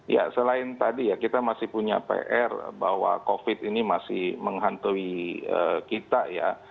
ya selain tadi ya kita masih punya pr bahwa covid ini masih menghantui kita ya